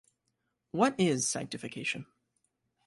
What is sanctification?